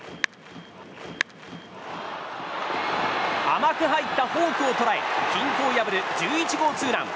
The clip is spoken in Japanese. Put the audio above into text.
甘く入ったフォークを捉え均衡を破る１１号ツーラン。